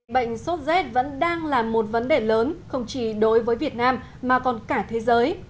bệnh sốt rét vẫn đang là một vấn đề lớn không chỉ đối với việt nam mà còn cả thế giới